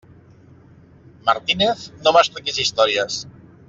Martínez, no m'expliquis històries!